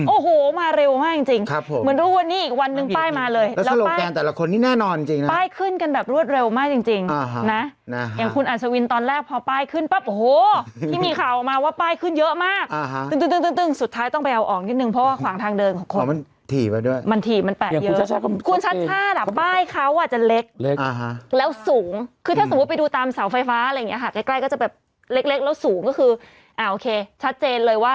โอ้โหมาเร็วมากจริงเหมือนทุกวันนี้อีกวันหนึ่งป้ายมาเลย